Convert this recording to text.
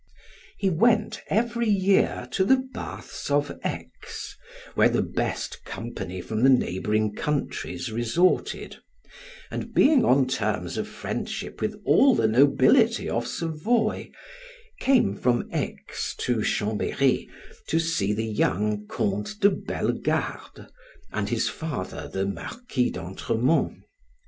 He went every year to the baths of Aix, where the best company from the neighboring countries resorted, and being on terms of friendship with all the nobility of Savoy, came from Aix to Chambery to see the young Count de Bellegarde and his father the Marquis of Antremont.